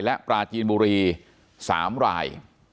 และปราจีนบุรี๓ราย